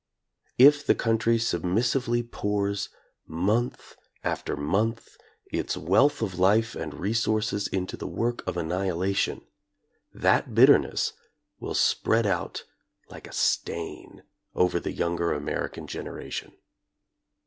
If the country submissively pours month after month its wealth of life and resources into the work of annihilation, that bitterness will spread out like a stain over the younger American generation.